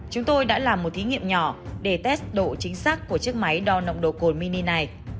chúng tôi đã làm một thí nghiệm nhỏ để test độ chính xác của chiếc máy đo nồng độ cồn mini này